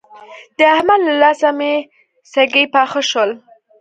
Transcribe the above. د احمد له لاسه مې سږي پاخه شول.